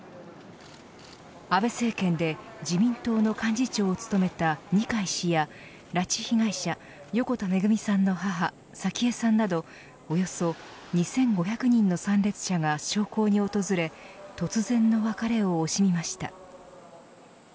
安倍政権で自民党の幹事長を務めた二階氏や拉致被害者、横田めぐみさんの母早紀江さんなどおよそ２５００人の参列者が焼香に訪れ突然の別れを惜しみました。